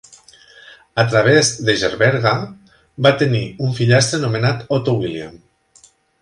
A través de Gerberga, va tenir un fillastre anomenat Otto William.